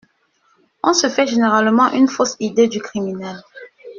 On se fait généralement une fausse idée du criminel.